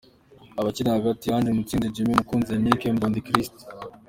Abakina hagati: Ange Mutsinzi Jimmy, Mukunzi Yannick, Mbondi Christ.